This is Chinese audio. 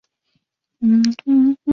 孔贝人口变化图示